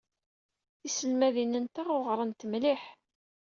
Tiselmadin-nteɣ uɣrent mliḥ.